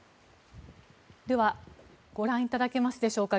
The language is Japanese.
ではご覧いただけますでしょうか。